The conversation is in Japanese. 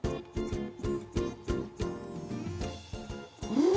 うん。